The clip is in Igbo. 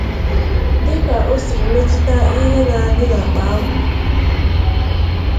dịka o siri metụta ihe na-adị n'àkpà agwụ.